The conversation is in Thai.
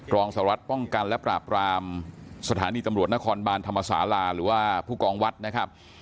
รองสารวัตรป้องกันและปราบรามสถานีตำรวจนครบานธรรมศาลาหรือว่าผู้กองวัดนะครับ